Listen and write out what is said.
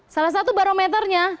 salah satu barometernya